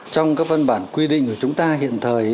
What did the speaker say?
trong các văn bản quy định của chúng ta hiện thời